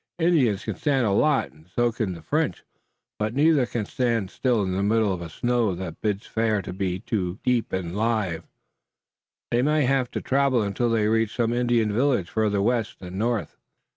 Indians can stand a lot, and so can French, but neither can stand still in the middle of a snow that bids fair to be two feet deep and live. They may have to travel until they reach some Indian village farther west and north."